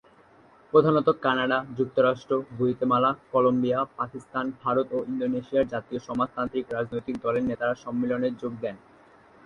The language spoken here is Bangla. প্রধানত কানাডা, যুক্তরাষ্ট্র, গুয়াতেমালা, কলম্বিয়া, পাকিস্তান, ভারত ও ইন্দোনেশিয়ার জাতীয় সমাজতান্ত্রিক রাজনৈতিক দলের নেতারা সম্মেলনে যোগ দেন।